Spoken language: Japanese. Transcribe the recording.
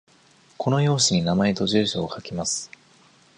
この用紙に名前と住所を書きます。